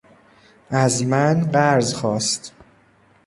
از من قرض خواست.